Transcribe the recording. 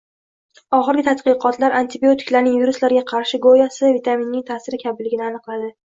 oxirgi tadqiqotlar antibiotiklarning viruslarga ta’siri go‘yo S vitaminining ta’siri kabiligi aniqladi